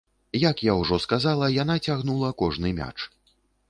Як я ўжо сказала, яна цягнула кожны мяч.